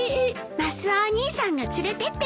マスオお兄さんが連れてってくれるの。